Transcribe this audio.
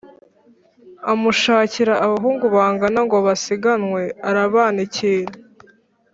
Amushakira abahungu bangana ngo basiganwe, arabanikira.